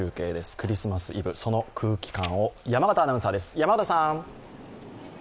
クリスマスイブ、その空気感を山形アナウンサーです。